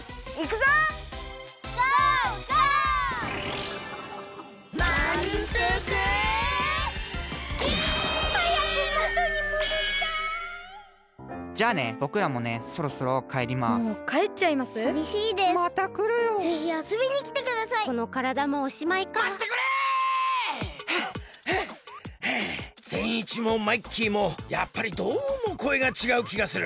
ぜんいちもマイッキーもやっぱりどうもこえがちがうきがする！